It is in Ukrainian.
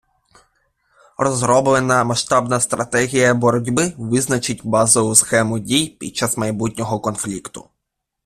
Розроблена масштабна стратегія боротьби визначить базову схему дій під час майбутнього конфлікту.